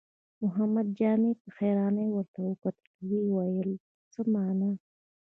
محمد جامي په حيرانۍ ورته وکتل، ويې ويل: څه مانا؟